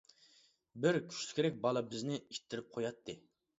بىر كۈچلۈكرەك بالا بىزنى ئىتتىرىپ قوياتتى.